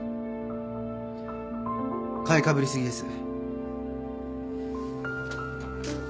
買いかぶり過ぎです。